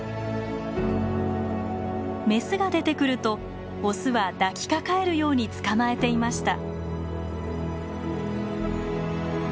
メスが出てくるとオスは抱きかかえるように捕まえていました。